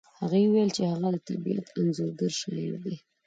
هغې وویل چې هغه د طبیعت انځورګر شاعر دی